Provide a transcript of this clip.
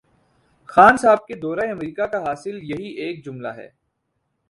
خان صاحب کے دورہ امریکہ کا حاصل یہی ایک جملہ ہے۔